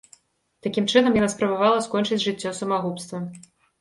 Такім чынам яна спрабавала скончыць жыццё самагубствам.